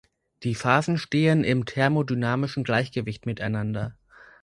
Die Phasen stehen im thermodynamischen Gleichgewicht miteinander.